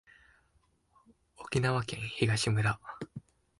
沖縄県東村